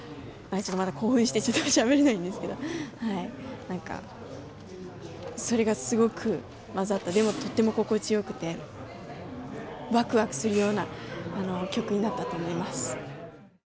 ちょっとまだ興奮してしゃべれないですけどはいそれがすごく混ざったでもとっても心地よくてわくわくするような曲になったと思います。